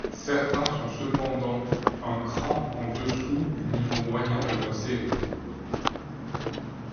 Certains sont cependant un cran en dessous du niveau moyen de leur série.